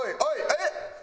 えっ？